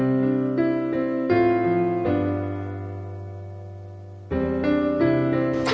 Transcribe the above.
พี่ชีพตอนนี้ก็คือสติสตังค์